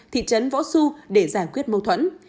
thị trấn võ xu để giải quyết mâu thuẫn